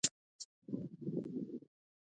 افغانستان کې پابندی غرونه د چاپېریال د تغیر نښه ده.